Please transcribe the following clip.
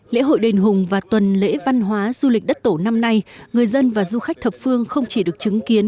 lễ hội đền hùng và tuần lễ văn hóa du lịch đất tổ năm nay người dân và du khách thập phương không chỉ được chứng kiến